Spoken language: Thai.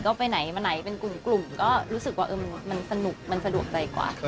ก็ไปไหนมาไหนเป็นกลุ่มก็รู้สึกว่ามันสนุกมันสะดวกใจกว่า